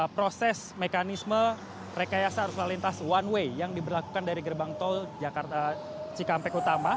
proses mekanisme rekayasa arus lalu lintas one way yang diberlakukan dari gerbang tol jakarta cikampek utama